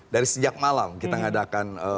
dari sejak malam kita mengadakan